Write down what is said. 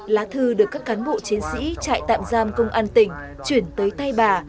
lá thư được các cán bộ chiến sĩ trại tạm giam công an tỉnh chuyển tới tay bà